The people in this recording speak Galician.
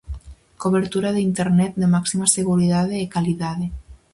Cobertura de Internet de máxima seguridade e calidade.